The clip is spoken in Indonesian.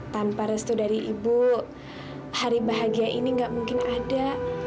tanpa restu dari ibu hari bahagia ini gak mungkin ada